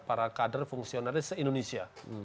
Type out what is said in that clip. para kader fungsionalis indonesia